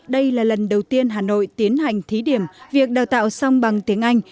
đây là lần đầu tiên hà nội tiến hành thí điểm việc đào tạo song bằng tiếng anh